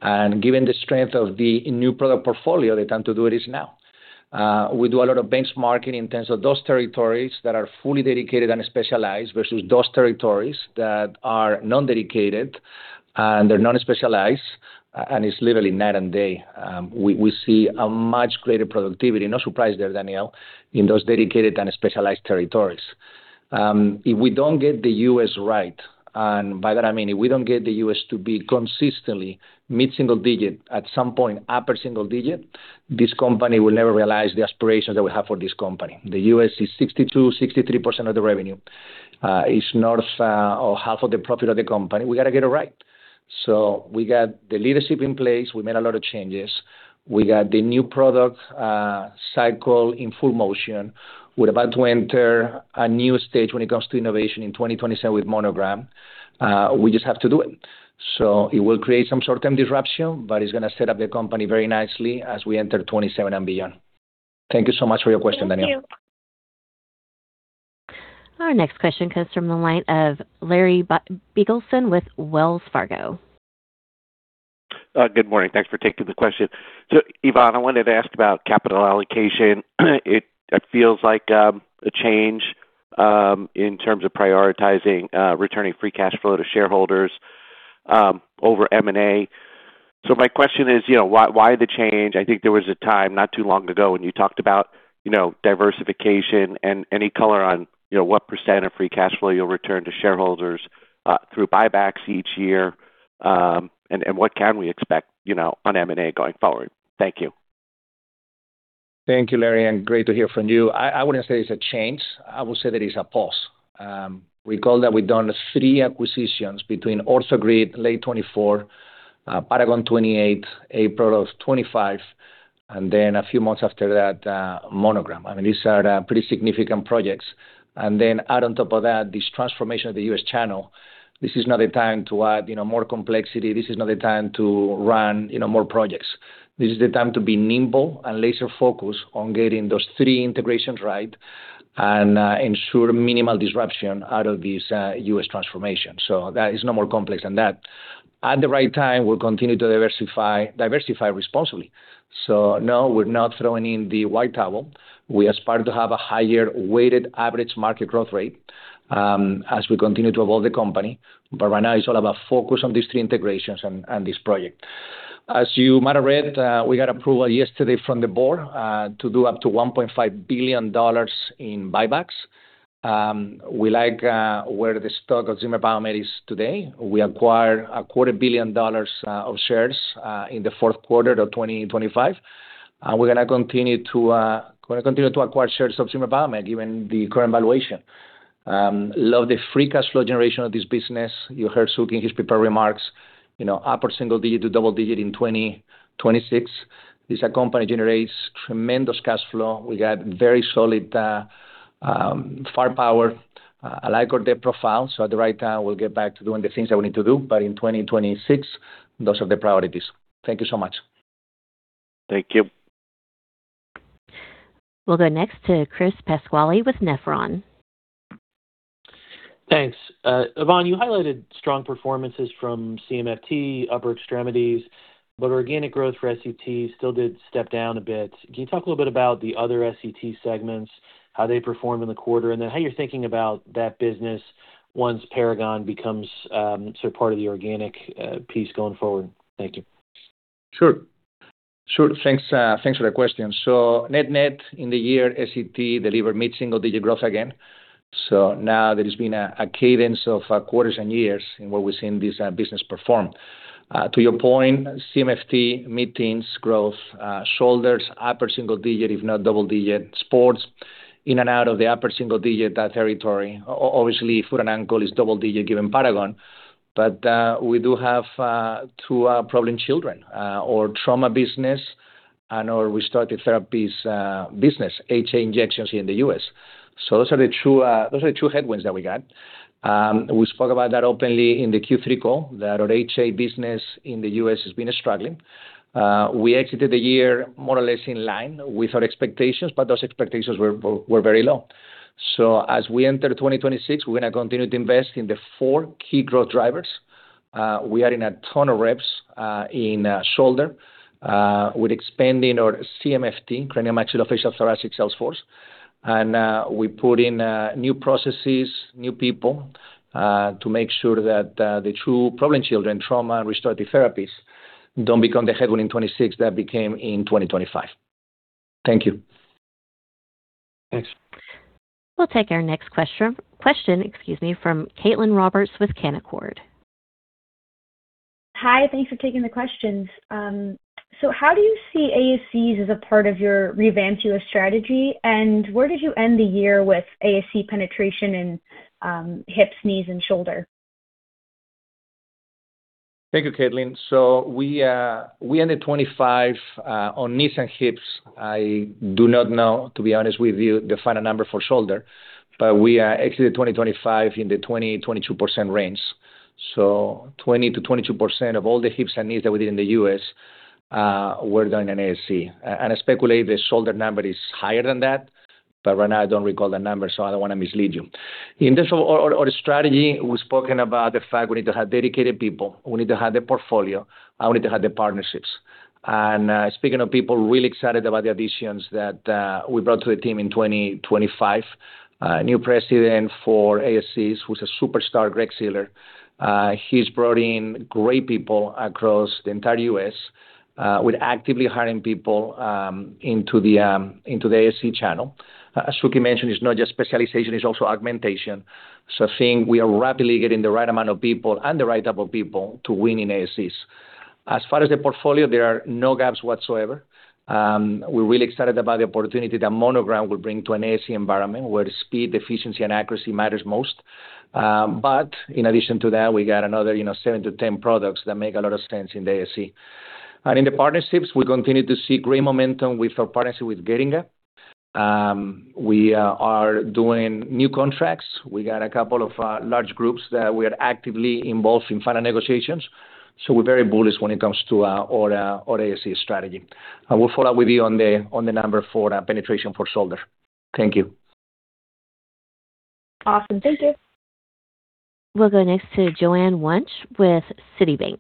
And given the strength of the new product portfolio, the time to do it is now. We do a lot of benchmarking in terms of those territories that are fully dedicated and specialized versus those territories that are non-dedicated and they're non-specialized. And it's literally night and day. We see a much greater productivity. No surprise there, Danielle, in those dedicated and specialized territories. If we don't get the U.S. right - and by that, I mean, if we don't get the U.S. to be consistently mid-single digit, at some point upper single digit - this company will never realize the aspirations that we have for this company. The U.S. is 62%-63% of the revenue. It's north of half of the profit of the company. We got to get it right. So we got the leadership in place. We made a lot of changes. We got the new product cycle in full motion. We're about to enter a new stage when it comes to innovation in 2027 with Monogram. We just have to do it. So it will create some short-term disruption, but it's going to set up the company very nicely as we enter 2027 and beyond. Thank you so much for your question, Danielle. Thank you. Our next question comes from the line of Larry Biegelsen with Wells Fargo. Good morning. Thanks for taking the question. So, Suky, I wanted to ask about capital allocation. It feels like a change in terms of prioritizing returning free cash flow to shareholders over M&A. So my question is, why the change? I think there was a time not too long ago when you talked about diversification and any color on what percent of free cash flow you'll return to shareholders through buybacks each year, and what can we expect on M&A going forward? Thank you. Thank you, Larry. Great to hear from you. I wouldn't say it's a change. I would say that it's a pause. Recall that we've done three acquisitions between OrthoGrid, late 2024, Paragon 28, April of 2025, and then a few months after that, Monogram. I mean, these are pretty significant projects. And then add on top of that, this transformation of the U.S. channel, this is not the time to add more complexity. This is not the time to run more projects. This is the time to be nimble and laser-focused on getting those three integrations right and ensure minimal disruption out of this U.S. transformation. So that is no more complex than that. At the right time, we'll continue to diversify responsibly. So no, we're not throwing in the white towel. We aspire to have a higher weighted average market growth rate as we continue to evolve the company. But right now, it's all about focus on these three integrations and this project. As you, might have, read, we got approval yesterday from the board to do up to $1.5 billion in buybacks. We like where the stock of Zimmer Biomet is today. We acquired $250 million of shares in the fourth quarter of 2025. And we're going to continue to acquire shares of Zimmer Biomet given the current valuation. Love the free cash flow generation of this business. You heard Suky in his prepared remarks, upper single-digit to double-digit in 2026. This company generates tremendous cash flow. We got very solid firepower, a light debt profile. At the right time, we'll get back to doing the things that we need to do. In 2026, those are the priorities. Thank you so much. Thank you. We'll go next to Chris Pasquale with Nephron. Thanks. Ivan, you highlighted strong performances from CMFT, Upper Extremities, but organic growth for S.E.T still did step down a bit. Can you talk a little bit about the other S.E.T. segments, how they performed in the quarter, and then how you're thinking about that business once Paragon becomes sort of part of the organic piece going forward? Thank you. Sure. Sure. Thanks for the question. So net-net, in the year, S.E.T. delivered mid-single digit growth again. So now there has been a cadence of quarters and years in what we've seen this business perform. To your point, CMFT, meetings, growth, shoulders, upper single digit, if not double digit, sports, in and out of the upper single digit territory. Obviously, foot and ankle is double digit given Paragon. But we do have two problem children, our trauma business and our restorative therapies business, HA injections here in the U.S. So those are the two headwinds that we got. We spoke about that openly in the Q3 call, that our HA business in the U.S. has been struggling. We exited the year more or less in line with our expectations, but those expectations were very low. As we enter 2026, we're going to continue to invest in the four key growth drivers. We are in a ton of reps in shoulder with expanding our CMFT, craniomaxillofacial and thoracic Salesforce. We put in new processes, new people to make sure that the true problem children, trauma, and restorative therapies don't become the headwind in 2026 that became in 2025. Thank you. Thanks. We'll take our next question, excuse me, from Caitlin Cronin with Canaccord. Hi. Thanks for taking the questions. How do you see ASCs as a part of your revamped U.S. strategy? Where did you end the year with ASC penetration in hips, knees, and shoulder? Thank you, Caitlin. So we ended 2025 on knees and hips. I do not know, to be honest with you, the final number for shoulder. But we exited 2025 in the 20%-22% range. So 20%-22% of all the hips and knees that we did in the U.S. were done in ASC. And I speculate the shoulder number is higher than that. But right now, I don't recall that number, so I don't want to mislead you. In terms of our strategy, we've spoken about the fact we need to have dedicated people. We need to have the portfolio. I need to have the partnerships. And speaking of people, really excited about the additions that we brought to the team in 2025, new President for ASCs, who's a superstar, Greg Ziller. He's brought in great people across the entire U.S. with actively hiring people into the ASC channel. As Suky mentioned, it's not just specialization. It's also augmentation. So I think we are rapidly getting the right amount of people and the right type of people to win in ASCs. As far as the portfolio, there are no gaps whatsoever. We're really excited about the opportunity that Monogram will bring to an ASC environment where speed, efficiency, and accuracy matter most. But in addition to that, we got another 7-10 products that make a lot of sense in the ASC. And in the partnerships, we continue to see great momentum with our partnership with Getinge. We are doing new contracts. We got a couple of large groups that we are actively involved in final negotiations. So we're very bullish when it comes to our ASC strategy. We'll follow up with you on the number for penetration for shoulder. Thank you. Awesome. Thank you. We'll go next to Joanne Wuensch with Citibank.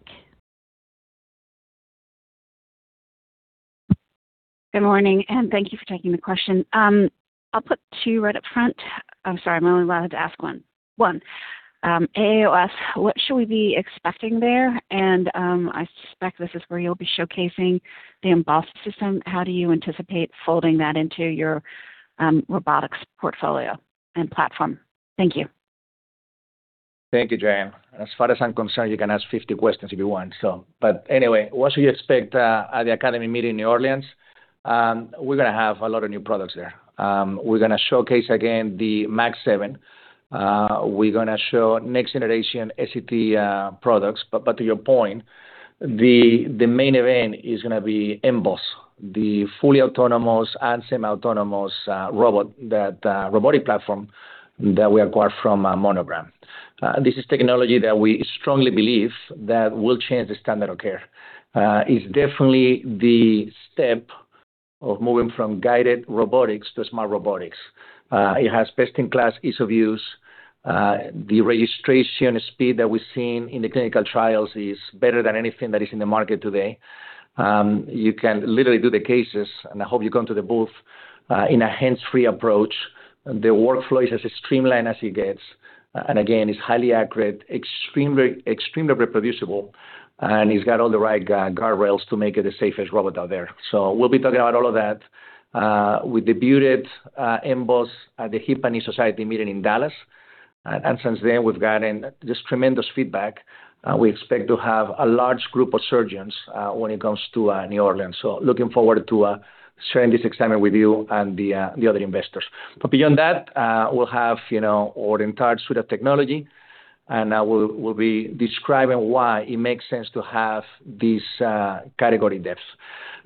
Good morning. And thank you for taking the question. I'll put two right up front. I'm sorry. I'm only allowed to ask one. One, AAOS, what should we be expecting there? And I suspect this is where you'll be showcasing the mBôs system. How do you anticipate folding that into your robotics portfolio and platform? Thank you. Thank you, Joanne. As far as I'm concerned, you can ask 50 questions if you want, so. But anyway, what should you expect at the Academy meeting in New Orleans? We're going to have a lot of new products there. We're going to showcase, again, the Mag Seven. We're going to show next-generation S.E.T products. But to your point, the main event is going to be mBôs, the fully autonomous and semi-autonomous robotic platform that we acquired from Monogram. This is technology that we strongly believe that will change the standard of care. It's definitely the step of moving from guided robotics to smart robotics. It has best-in-class ease of use. The registration speed that we've seen in the clinical trials is better than anything that is in the market today. You can literally do the cases. And I hope you come to the booth in a hands-free approach. The workflow is as streamlined as it gets. And again, it's highly accurate, extremely reproducible. And it's got all the right guardrails to make it the safest robot out there. So we'll be talking about all of that. We debuted mBôs at the Hip and Knee Society meeting in Dallas. And since then, we've gotten just tremendous feedback. We expect to have a large group of surgeons when it comes to New Orleans. So looking forward to sharing this excitement with you and the other investors. But beyond that, we'll have our entire suite of technology. And I will be describing why it makes sense to have this category depth.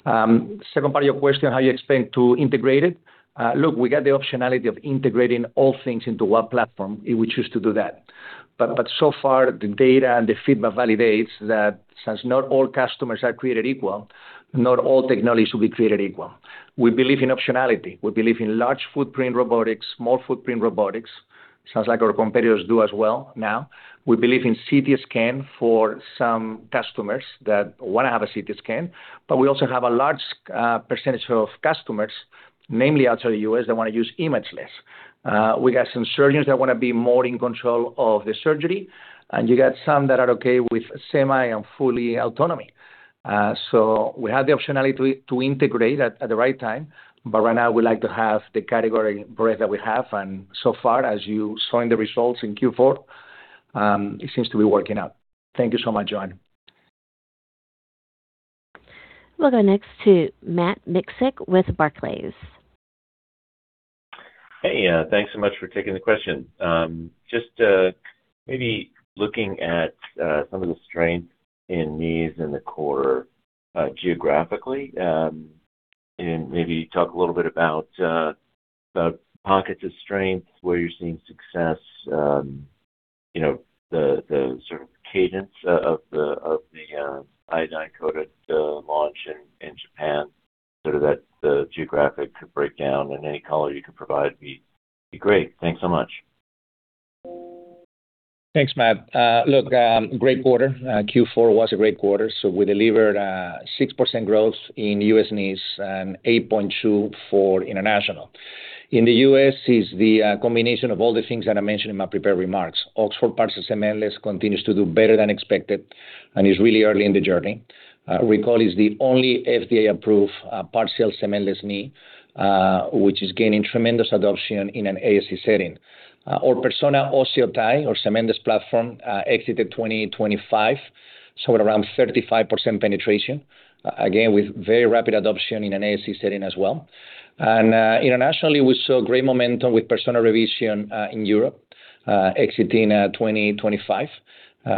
Second part of your question, how you expect to integrate it? Look, we got the optionality of integrating all things into one platform if we choose to do that. But so far, the data and the feedback validates that since not all customers are created equal, not all technology should be created equal. We believe in optionality. We believe in large footprint robotics, small footprint robotics. Sounds like our competitors do as well now. We believe in CT scan for some customers that want to have a CT scan. But we also have a large percentage of customers, namely outside the U.S., that want to use imageless. We got some surgeons that want to be more in control of the surgery. And you got some that are okay with semi and fully autonomy. So we have the optionality to integrate at the right time. But right now, we like to have the category breadth that we have. And so far, as you saw in the results in Q4, it seems to be working out. Thank you so much, Joanne. We'll go next to Matt Miksic with Barclays. Hey. Thanks so much for taking the question. Just maybe looking at some of the strength in knees and the core geographically, and maybe talk a little bit about pockets of strength, where you're seeing success, the sort of cadence of the iodine-coated launch in Japan, sort of the geographic breakdown. Any color you can provide would be great. Thanks so much. Thanks, Matt. Look, great quarter. Q4 was a great quarter. We delivered 6% growth in U.S. knees and 8.2% for international. In the U.S., it's the combination of all the things that I mentioned in my prepared remarks. Oxford Partial Cementless continues to do better than expected, and it's really early in the journey. Recall, it's the only FDA-approved partial cementless knee, which is gaining tremendous adoption in an ASC setting. Our Persona OsseoTi or Cementless platform exited 2025, somewhere around 35% penetration, again, with very rapid adoption in an ASC setting as well. Internationally, we saw great momentum with Persona Revision in Europe exiting 2025.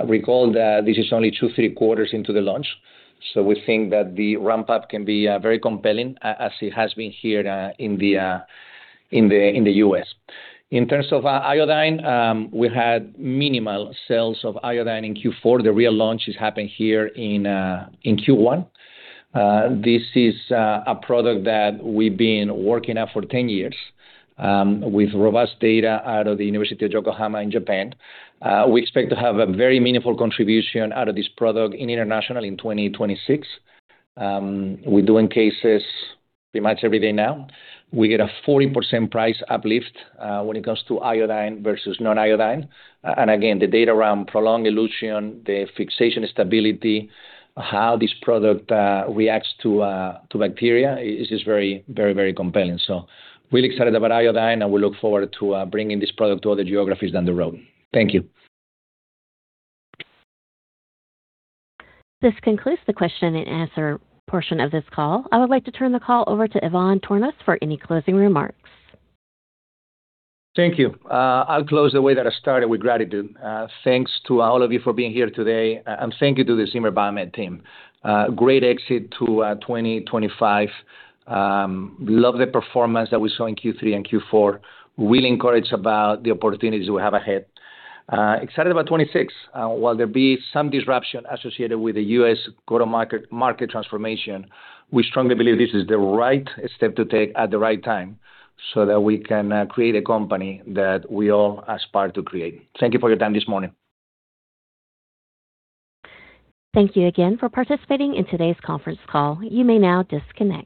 Recall that this is only two, three quarters into the launch. We think that the ramp-up can be very compelling as it has been here in the U.S. In terms of iodine, we had minimal sales of iodine in Q4. The real launch has happened here in Q1. This is a product that we've been working on for 10 years with robust data out of the University of Yokohama in Japan. We expect to have a very meaningful contribution out of this product internationally in 2026. We're doing cases pretty much every day now. We get a 40% price uplift when it comes to iodine versus non-iodine. And again, the data around prolonged elution, the fixation stability, how this product reacts to bacteria is just very, very, very compelling. So really excited about iodine. And we look forward to bringing this product to other geographies down the road. Thank you. This concludes the question and answer portion of this call. I would like to turn the call over to Ivan Tornos for any closing remarks. Thank you. I'll close the way that I started with gratitude. Thanks to all of you for being here today. Thank you to the Zimmer Biomet team. Great exit to 2025. Love the performance that we saw in Q3 and Q4. Really encouraged about the opportunities we have ahead. Excited about 2026. While there be some disruption associated with the U.S. go-to-market transformation, we strongly believe this is the right step to take at the right time so that we can create a company that we all aspire to create. Thank you for your time this morning. Thank you again for participating in today's conference call. You may now disconnect.